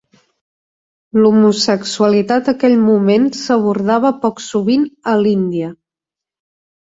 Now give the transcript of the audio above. L'homosexualitat aquell moment s'abordava poc sovint a l'Índia.